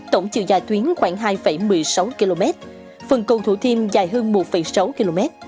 tổng chiều dài tuyến khoảng hai một mươi sáu km phần cầu thủ thiêm dài hơn một sáu km